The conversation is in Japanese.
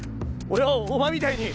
俺はお前みたいに。